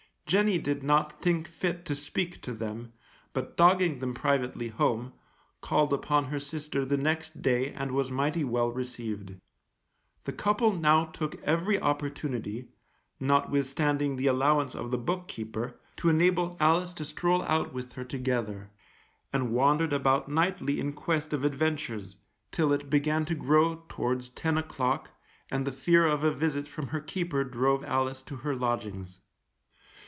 Jenny did not think fit to speak to them, but dogging them privately home, called upon her sister the next day and was mighty well received. The couple now took every opportunity (notwithstanding the allowance of the book keeper) to enable Alice to stroll out with her together, and wandered about nightly in quest of adventures, till it began to grow towards ten o'clock, and the fear of a visit from her keeper drove Alice to her lodgings.